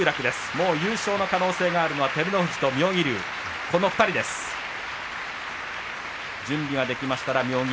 もう優勝の可能性があるのは照ノ富士と妙義